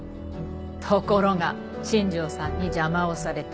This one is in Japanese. ところが新庄さんに邪魔をされた。